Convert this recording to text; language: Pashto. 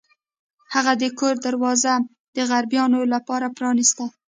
هغه د کور دروازه د غریبانو لپاره پرانیسته.